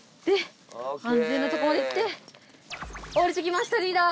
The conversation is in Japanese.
安全なとこまでいって下りてきましたリーダー。